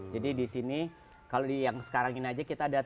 terus kondisi kucing yang tidak mau makan itu juga kita bisa